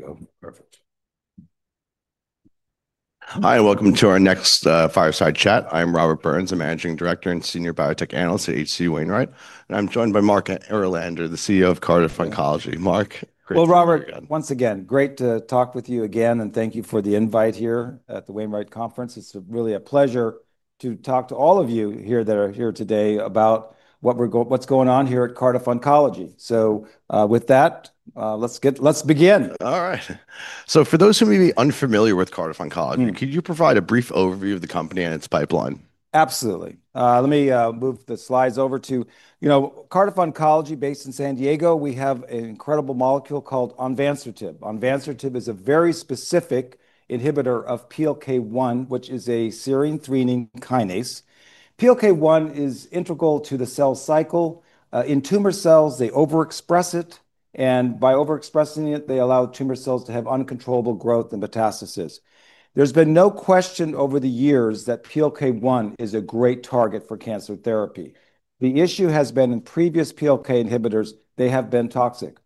There you go. Perfect. Hi, and welcome to our next Fireside Chat. I'm Robert Burns, a Managing Director and Senior Biotech Analyst at HC Wainwright. I'm joined by Marc Erlander, the CEO of Cardiff Oncology. Marc, great to see you. Robert, once again, great to talk with you again, and thank you for the invite here at the Wainwright Conference. It's really a pleasure to talk to all of you here that are here today about what's going on here at Cardiff Oncology. With that, let's begin. All right. For those who may be unfamiliar with Cardiff Oncology, could you provide a brief overview of the company and its pipeline? Absolutely. Let me move the slides over to, you know, Cardiff Oncology based in San Diego. We have an incredible molecule called onvansertib. Onvansertib is a very specific inhibitor of PLK1, which is a serine threonine kinase. PLK1 is integral to the cell cycle. In tumor cells, they overexpress it, and by overexpressing it, they allow tumor cells to have uncontrollable growth and metastasis. There's been no question over the years that PLK1 is a great target for cancer therapy. The issue has been in previous PLK1 inhibitors, they have been toxic.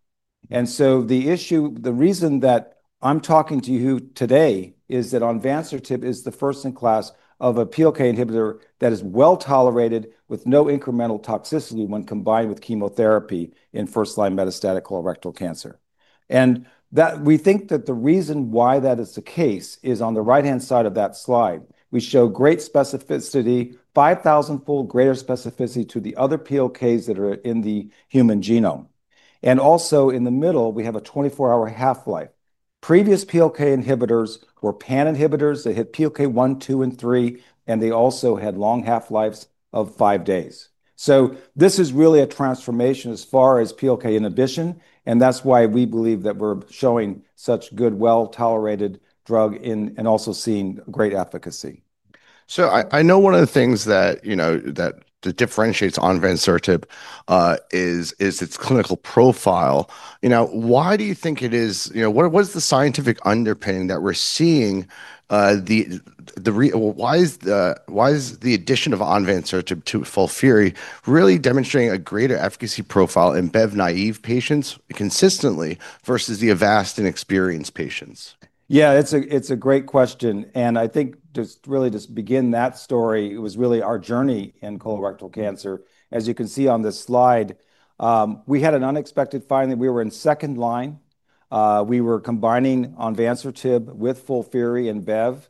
The reason that I'm talking to you today is that onvansertib is the first in class of a PLK1 inhibitor that is well tolerated with no incremental toxicity when combined with chemotherapy in first-line metastatic colorectal cancer. We think that the reason why that is the case is on the right-hand side of that slide. We show great specificity, 5,000-fold greater specificity to the other PLKs that are in the human genome. Also, in the middle, we have a 24-hour half-life. Previous PLK inhibitors were pan-inhibitors. They had PLK1, 2, and 3, and they also had long half-lives of five days. This is really a transformation as far as PLK inhibition, and that's why we believe that we're showing such a good, well-tolerated drug and also seeing great efficacy. I know one of the things that differentiates onvansertib is its clinical profile. Why do you think it is, what is the scientific underpinning that we're seeing? Why is the addition of onvansertib to FOLFIRI really demonstrating a greater efficacy profile in BEV naive patients consistently versus the Avastin experienced patients? Yeah, it's a great question. I think just really to begin that story, it was really our journey in colorectal cancer. As you can see on this slide, we had an unexpected finding. We were in second line. We were combining onvansertib with FOLFIRI and BEV.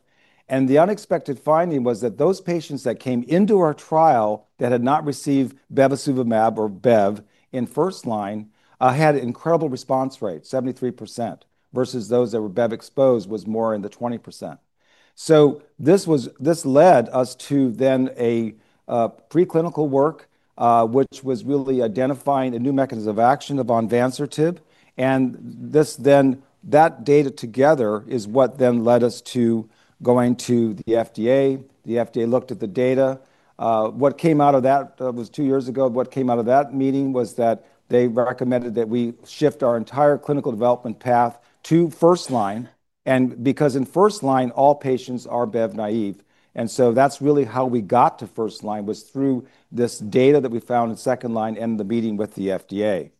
The unexpected finding was that those patients that came into our trial that had not received bevacizumab or BEV in first line had an incredible response rate, 73%, versus those that were BEV exposed was more in the 20%. This led us to then a preclinical work, which was really identifying a new mechanism of action of onvansertib. That data together is what then led us to going to the FDA. The FDA looked at the data. What came out of that, that was two years ago. What came out of that meeting was that they recommended that we shift our entire clinical development path to first line, because in first line, all patients are BEV naive. That's really how we got to first line was through this data that we found in second line and the meeting with the FDA.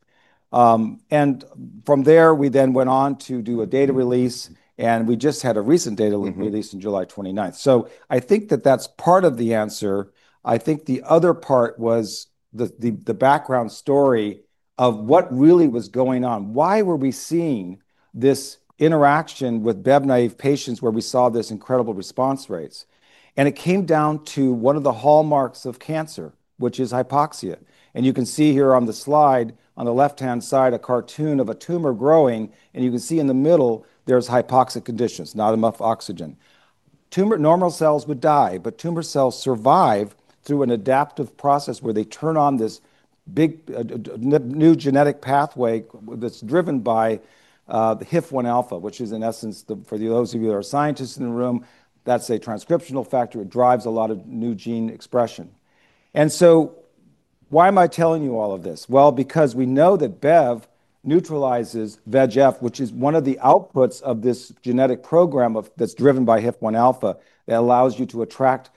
From there, we then went on to do a data release, and we just had a recent data release on July 29th. I think that that's part of the answer. I think the other part was the background story of what really was going on. Why were we seeing this interaction with BEV naive patients where we saw this incredible response rate? It came down to one of the hallmarks of cancer, which is hypoxia. You can see here on the slide, on the left-hand side, a cartoon of a tumor growing, and you can see in the middle, there's hypoxic conditions, not enough oxygen. Normal cells would die, but tumor cells survive through an adaptive process where they turn on this big new genetic pathway that's driven by the HIF1α, which is in essence, for those of you that are scientists in the room, that's a transcriptional factor. It drives a lot of new gene expression. Why am I telling you all of this? Because we know that BEV neutralizes VEGF, which is one of the outputs of this genetic program that's driven by HIF1α. It allows you to attract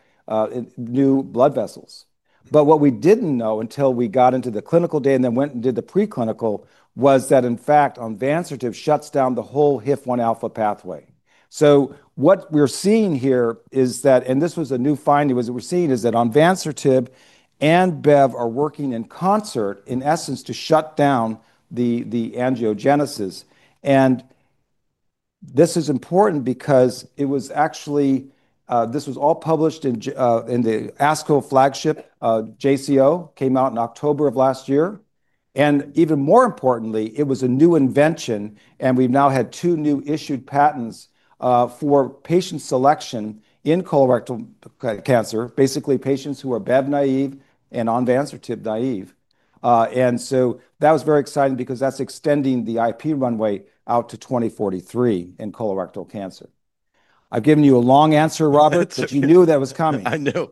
new blood vessels. What we didn't know until we got into the clinical data and then went and did the preclinical was that, in fact, onvansertib shuts down the whole HIF1α pathway. What we're seeing here is that, and this was a new finding, what we're seeing is that onvansertib and BEV are working in concert, in essence, to shut down the angiogenesis. This is important because it was actually, this was all published in the ASCO flagship, JCO, came out in October of last year. Even more importantly, it was a new invention, and we've now had two new issued patents for patient selection in colorectal cancer, basically patients who are BEV naive and onvansertib naive. That was very exciting because that's extending the IP runway out to 2043 in colorectal cancer. I've given you a long answer, Robert, but you knew that was coming. I know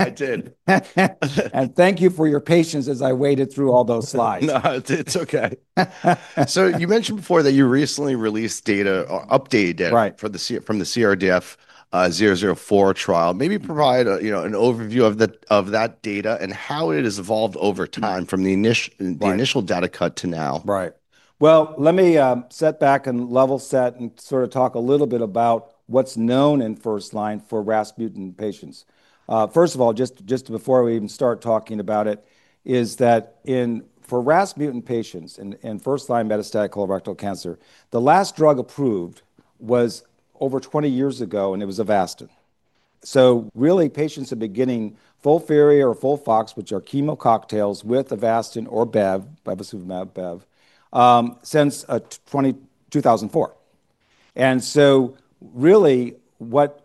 I did. Thank you for your patience as I waded through all those slides. It's okay. You mentioned before that you recently released data or updated data from the CRDF 004 trial. Maybe provide an overview of that data and how it has evolved over time from the initial data cut to now. Right. Let me set back and level set and sort of talk a little bit about what's known in first line for RAS mutant patients. First of all, just before we even start talking about it, for RAS mutant patients in first line metastatic colorectal cancer, the last drug approved was over 20 years ago, and it was Avastin. Patients have been getting FOLFIRI or FOLFOX, which are chemo cocktails with Avastin or BEV, bevacizumab BEV, since 2004.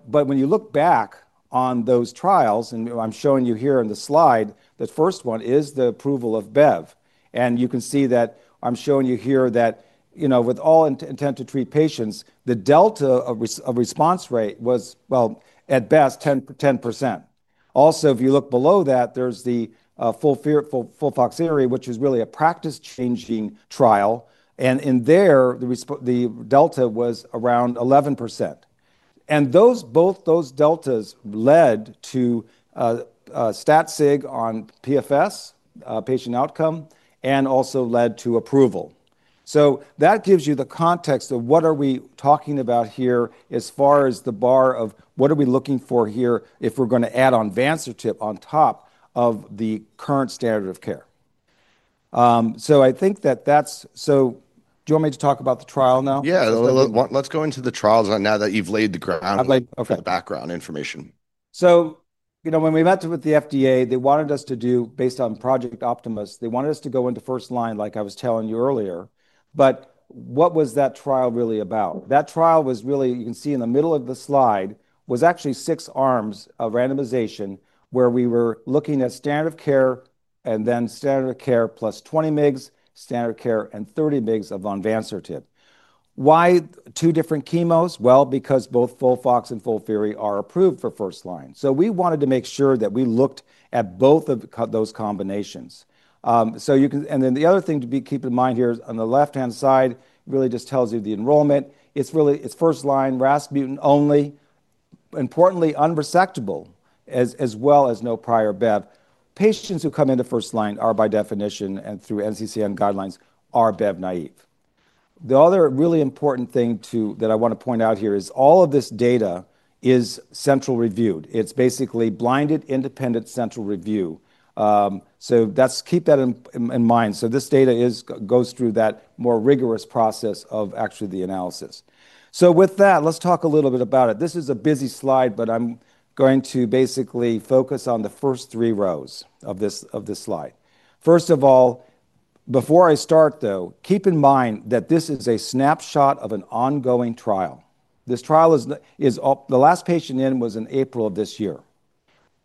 When you look back on those trials, and I'm showing you here on the slide, the first one is the approval of BEV. You can see that I'm showing you here that, with all intent to treat patients, the delta of response rate was, at best, 10%. If you look below that, there's the FOLFOXIRI, which is really a practice-changing trial. In there, the delta was around 11%. Both those deltas led to stat-sig on PFS, patient outcome, and also led to approval. That gives you the context of what are we talking about here as far as the bar of what are we looking for here if we're going to add onvansertib on top of the current standard of care. I think that that's, do you want me to talk about the trial now? Yeah, let's go into the trial now that you've laid the groundwork, the background information. When we met with the FDA, they wanted us to do, based on Project Optimus, they wanted us to go into first line, like I was telling you earlier. What was that trial really about? That trial was really, you can see in the middle of the slide, was actually six arms of randomization where we were looking at standard of care and then standard of care plus 20 mg, standard of care and 30 mg of onvansertib. Why two different chemos? Because both FOLFOX and FOLFIRI are approved for first line. We wanted to make sure that we looked at both of those combinations. The other thing to keep in mind here is on the left-hand side, it really just tells you the enrollment. It's really, it's first line, RAS mutant only. Importantly, unresectable, as well as no prior BEV. Patients who come into first line are, by definition, and through NCCN guidelines, BEV naive. The other really important thing that I want to point out here is all of this data is central reviewed. It's basically blinded, independent central review. Let's keep that in mind. This data goes through that more rigorous process of actually the analysis. With that, let's talk a little bit about it. This is a busy slide, but I'm going to basically focus on the first three rows of this slide. First of all, before I start, though, keep in mind that this is a snapshot of an ongoing trial. This trial is, the last patient in was in April of this year.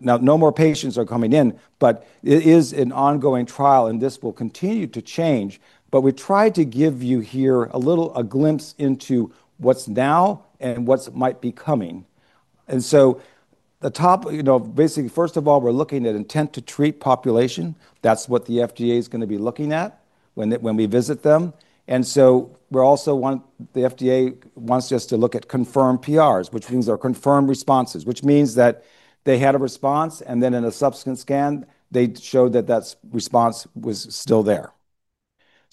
Now, no more patients are coming in, but it is an ongoing trial, and this will continue to change. We tried to give you here a little glimpse into what's now and what might be coming. The top, you know, basically, first of all, we're looking at intent to treat population. That's what the FDA is going to be looking at when we visit them. We're also one, the FDA wants us to look at confirmed PRs, which means there are confirmed responses, which means that they had a response, and then in a subsequent scan, they showed that that response was still there.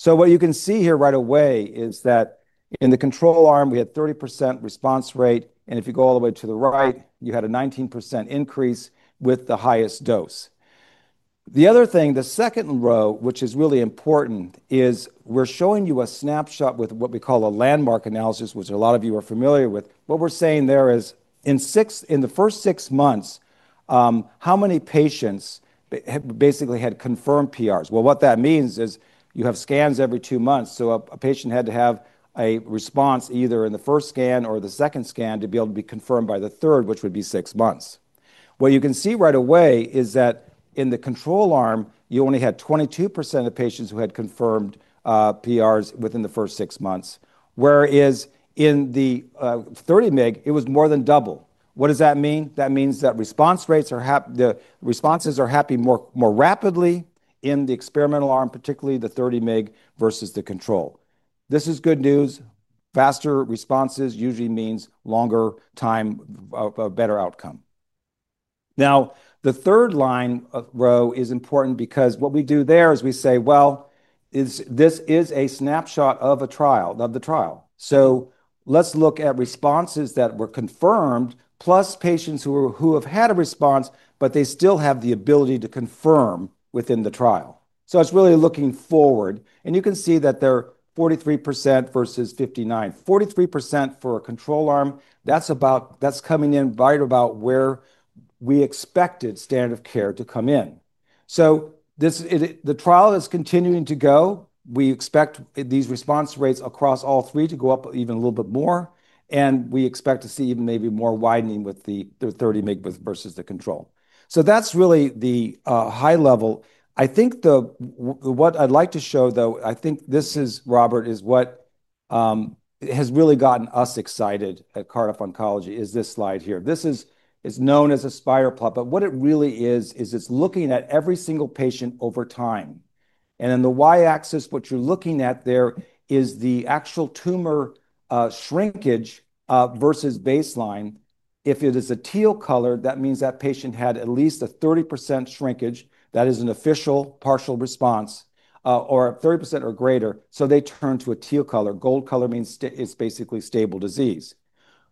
What you can see here right away is that in the control arm, we had 30% response rate, and if you go all the way to the right, you had a 19% increase with the highest dose. The other thing, the second row, which is really important, is we're showing you a snapshot with what we call a landmark analysis, which a lot of you are familiar with. What we're saying there is in the first six months, how many patients basically had confirmed PRs? What that means is you have scans every two months. A patient had to have a response either in the first scan or the second scan to be able to be confirmed by the third, which would be six months. What you can see right away is that in the control arm, you only had 22% of patients who had confirmed PRs within the first six months, whereas in the 30 mg, it was more than double. What does that mean? That means that response rates are happening, the responses are happening more rapidly in the experimental arm, particularly the 30 mg versus the control. This is good news. Faster responses usually mean longer time, a better outcome. The third line row is important because what we do there is we say this is a snapshot of the trial. Let's look at responses that were confirmed, plus patients who have had a response, but they still have the ability to confirm within the trial. It's really looking forward. You can see that they're 43% versus 59%. 43% for a control arm, that's about, that's coming in right about where we expected standard of care to come in. The trial is continuing to go. We expect these response rates across all three to go up even a little bit more. We expect to see even maybe more widening with the 30 mg versus the control. That's really the high level. I think what I'd like to show, though, I think this is, Robert, is what has really gotten us excited at Cardiff Oncology, is this slide here. This is known as a spiral plot, but what it really is, is it's looking at every single patient over time. In the Y-axis, what you're looking at there is the actual tumor shrinkage versus baseline. If it is a teal color, that means that patient had at least a 30% shrinkage. That is an official partial response or 30% or greater, so they turn to a teal color. Gold color means it's basically stable disease.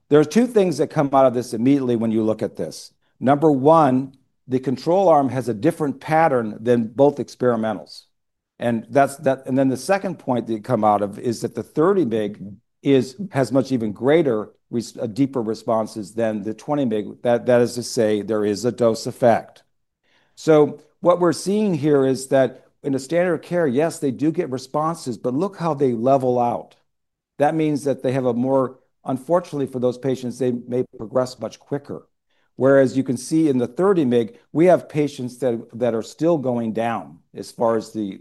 There are two things that come out of this immediately when you look at this. Number one, the control arm has a different pattern than both experimentals. The second point that you come out of is that the 30 mg has much even greater, deeper responses than the 20 mg. That is to say, there is a dose effect. What we're seeing here is that in the standard of care, yes, they do get responses, but look how they level out. That means that they have a more, unfortunately for those patients, they may progress much quicker. Whereas you can see in the 30 mg, we have patients that are still going down as far as the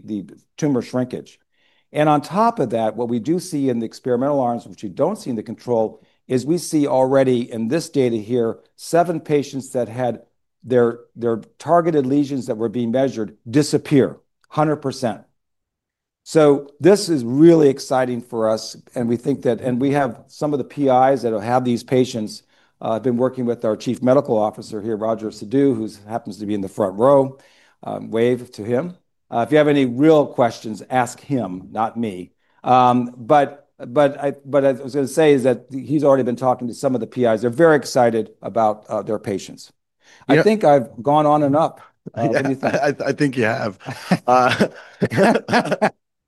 tumor shrinkage. On top of that, what we do see in the experimental arms, which you don't see in the control, is we see already in this data here, seven patients that had their targeted lesions that were being measured disappear 100%. This is really exciting for us. We think that, and we have some of the PIs that have had these patients, I've been working with our Chief Medical Officer here, Roger Sadu, who happens to be in the front row. Wave to him. If you have any real questions, ask him, not me. I was going to say that he's already been talking to some of the PIs. They're very excited about their patients. I think I've gone on and up. I think you have.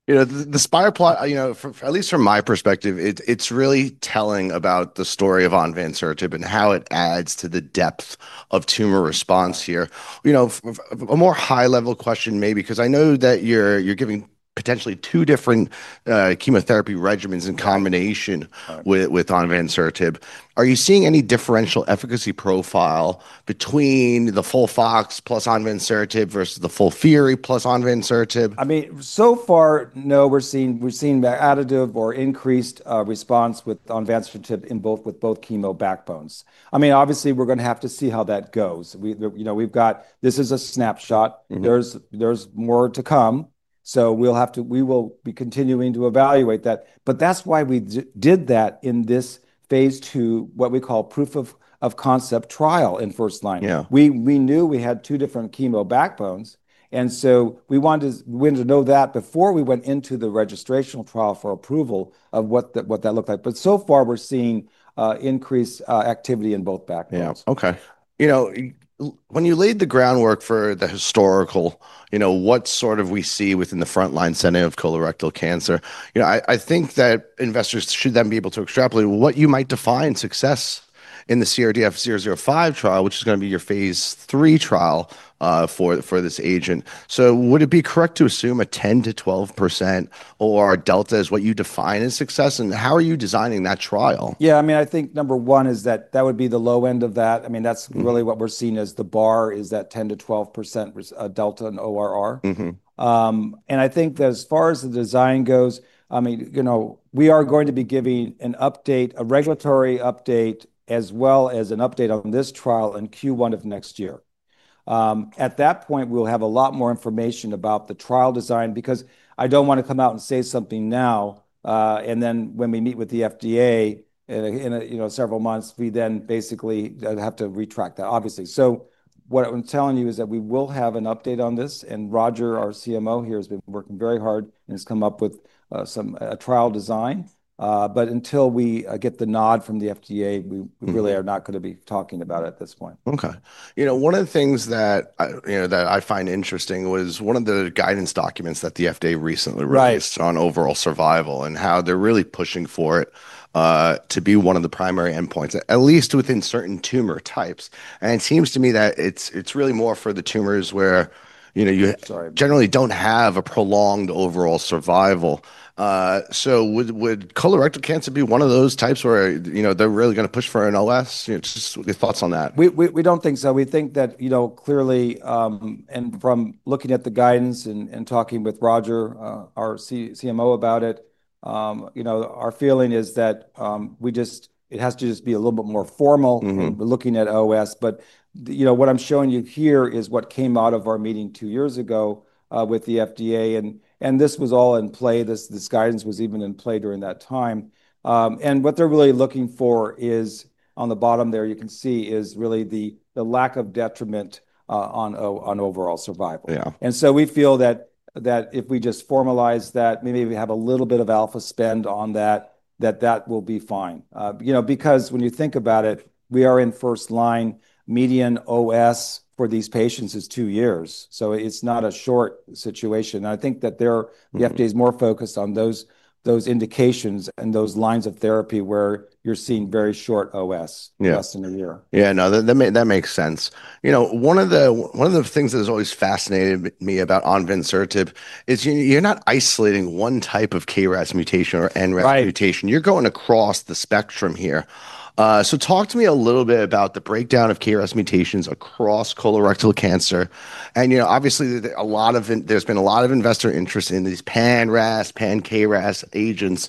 You know, the spiral plot, at least from my perspective, it's really telling about the story of onvansertib and how it adds to the depth of tumor response here. A more high-level question maybe, because I know that you're giving potentially two different chemotherapy regimens in combination with onvansertib. Are you seeing any differential efficacy profile between the FOLFOX plus onvansertib versus the FOLFIRI plus onvansertib? I mean, so far, no, we're seeing that additive or increased response with onvansertib in both chemo backbones. Obviously, we're going to have to see how that goes. We've got, this is a snapshot. There's more to come. We'll have to, we will be continuing to evaluate that. That's why we did that in this phase II, what we call proof of concept trial in first line. We knew we had two different chemo backbones, and we wanted to know that before we went into the registrational trial for approval of what that looked like. So far, we're seeing increased activity in both backbones. Okay. When you laid the groundwork for the historical, what we see within the frontline setting of colorectal cancer, I think that investors should then be able to extrapolate what you might define as success in the CRDF 005 trial, which is going to be your phase III trial for this agent. Would it be correct to assume a 10 to 12% or delta is what you define as success? How are you designing that trial? I mean, I think number one is that would be the low end of that. I mean, that's really what we're seeing as the bar is that 10% to 12% delta in ORR. I think that as far as the design goes, we are going to be giving an update, a regulatory update, as well as an update on this trial in Q1 of next year. At that point, we'll have a lot more information about the trial design because I don't want to come out and say something now, and then when we meet with the FDA in several months, we basically have to retract that, obviously. What I'm telling you is that we will have an update on this. Roger, our CMO here, has been working very hard and has come up with a trial design. Until we get the nod from the FDA, we really are not going to be talking about it at this point. Okay. One of the things that I find interesting was one of the guidance documents that the FDA recently released on overall survival and how they're really pushing for it to be one of the primary endpoints, at least within certain tumor types. It seems to me that it's really more for the tumors where you generally don't have a prolonged overall survival. Would colorectal cancer be one of those types where they're really going to push for an OS? Just your thoughts on that. We don't think so. We think that, you know, clearly, and from looking at the guidance and talking with Roger, our CMO, about it, our feeling is that we just, it has to just be a little bit more formal looking at OS. What I'm showing you here is what came out of our meeting two years ago with the FDA. This was all in play. This guidance was even in play during that time. What they're really looking for is on the bottom there, you can see is really the lack of detriment on overall survival. We feel that if we just formalize that, maybe we have a little bit of alpha spend on that, that that will be fine. You know, because when you think about it, we are in first line, median OS for these patients is two years. It's not a short situation. I think that the FDA is more focused on those indications and those lines of therapy where you're seeing very short OS, less than a year. Yeah, no, that makes sense. You know, one of the things that has always fascinated me about onvansertib is you're not isolating one type of KRAS mutation or NRAS mutation. You're going across the spectrum here. Talk to me a little bit about the breakdown of KRAS mutations across colorectal cancer. Obviously, a lot of, there's been a lot of investor interest in these PAN-RAS, PAN-KRAS agents.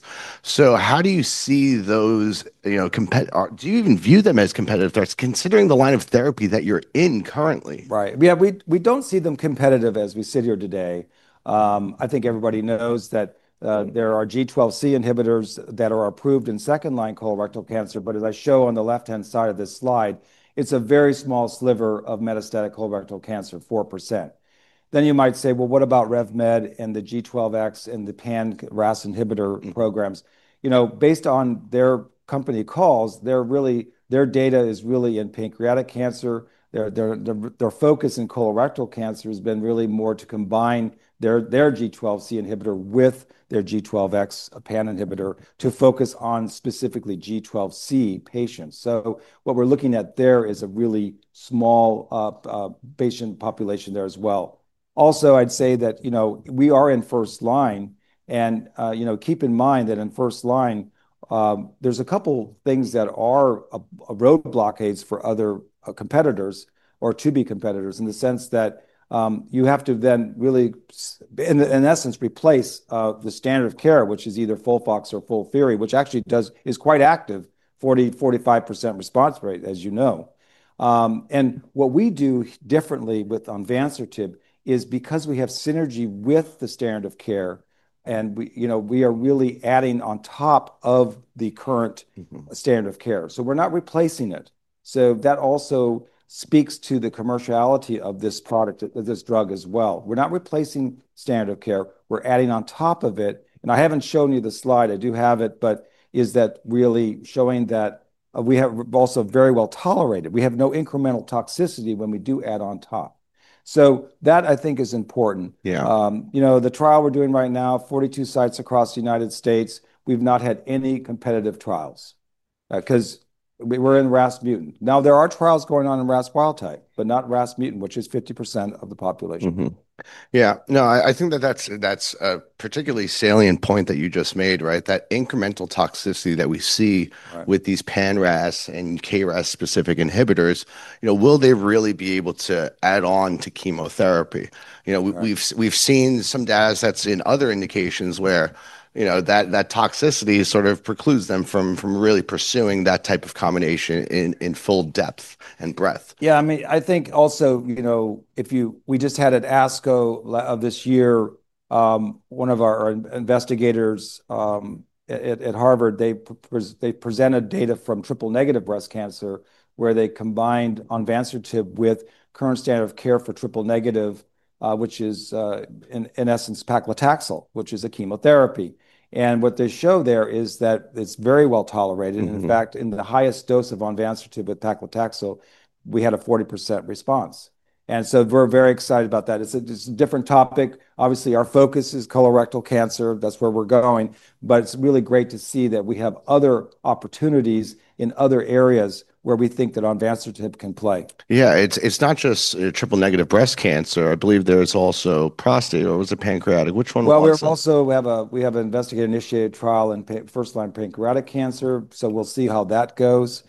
How do you see those, you know, do you even view them as competitive threats, considering the line of therapy that you're in currently? Right. Yeah, we don't see them as competitive as we sit here today. I think everybody knows that there are G12C inhibitors that are approved in second-line colorectal cancer. As I show on the left-hand side of this slide, it's a very small sliver of metastatic colorectal cancer, 4%. You might say, what about RevMed and the G12X and the PANRAS inhibitor programs? Based on their company calls, their data is really in pancreatic cancer. Their focus in colorectal cancer has been really more to combine their G12C inhibitor with their G12X PAN inhibitor to focus on specifically G12C patients. What we're looking at there is a really small patient population there as well. I'd say that we are in first line. Keep in mind that in first line, there are a couple of things that are roadblockades for other competitors or to be competitors in the sense that you have to then really, in essence, replace the standard of care, which is either FOLFOX or FOLFIRI, which actually is quite active, 40% to 45% response rate, as you know. What we do differently with onvansertib is because we have synergy with the standard of care, and we are really adding on top of the current standard of care. We're not replacing it. That also speaks to the commerciality of this product, this drug as well. We're not replacing standard of care. We're adding on top of it. I haven't shown you the slide. I do have it, but is that really showing that we have also very well tolerated. We have no incremental toxicity when we do add on top. That I think is important. The trial we're doing right now, 42 sites across the United States, we've not had any competitive trials because we're in RAS mutant. There are trials going on in RAS wild type, but not RAS mutant, which is 50% of the population. Yeah, no, I think that that's a particularly salient point that you just made, right? That incremental toxicity that we see with these PANRAS and KRAS specific inhibitors, you know, will they really be able to add on to chemotherapy? We've seen some data sets in other indications where, you know, that toxicity sort of precludes them from really pursuing that type of combination in full depth and breadth. Yeah, I mean, I think also, you know, if you, we just had at ASCO of this year, one of our investigators at Harvard, they presented data from triple negative breast cancer where they combined onvansertib with current standard of care for triple negative, which is in essence paclitaxel, which is a chemotherapy. What they show there is that it's very well tolerated. In fact, in the highest dose of onvansertib with paclitaxel, we had a 40% response. We are very excited about that. It's a different topic. Obviously, our focus is colorectal cancer. That's where we're going. It's really great to see that we have other opportunities in other areas where we think that onvansertib can play. Yeah, it's not just triple negative breast cancer. I believe there's also prostate or was it pancreatic? Which one was it? We also have an investigator-initiated trial in first line pancreatic cancer. We'll see how that goes.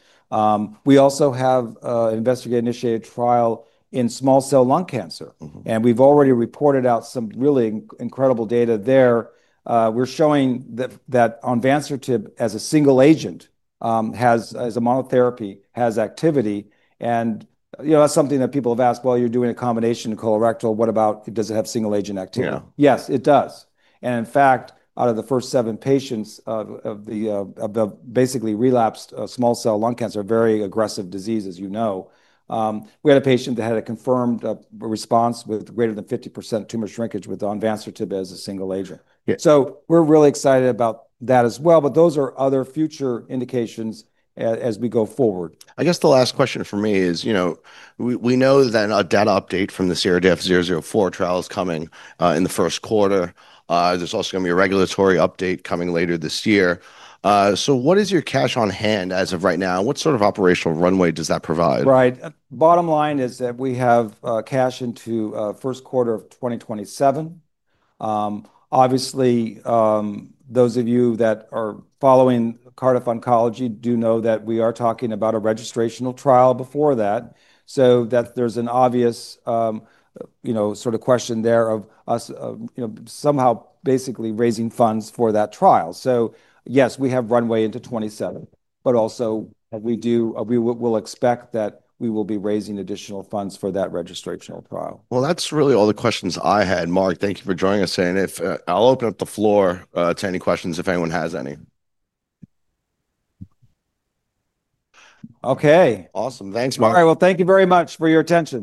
We also have an investigator-initiated trial in small cell lung cancer, and we've already reported out some really incredible data there. We're showing that onvansertib as a single agent, as a monotherapy, has activity. You know, that's something that people have asked. You're doing a combination in colorectal. What about, does it have single agent activity? Yes, it does. In fact, out of the first seven patients of the basically relapsed small cell lung cancer, a very aggressive disease, as you know, we had a patient that had a confirmed response with greater than 50% tumor shrinkage with onvansertib as a single agent. We're really excited about that as well. Those are other future indications as we go forward. I guess the last question for me is, you know, we know that a data update from the CRDF 004 phase II trial is coming in the first quarter. There's also going to be a regulatory update coming later this year. What is your cash on hand as of right now, and what sort of operational runway does that provide? Right. Bottom line is that we have cash into the first quarter of 2027. Obviously, those of you that are following Cardiff Oncology do know that we are talking about a registrational trial before that. There is an obvious, you know, sort of question there of us, you know, somehow basically raising funds for that trial. Yes, we have runway into 2027. We do, we will expect that we will be raising additional funds for that registrational trial. That's really all the questions I had. Marc, thank you for joining us. I'll open up the floor to any questions if anyone has any. Okay. Awesome. Thanks, Marc. All right. Thank you very much for your attention.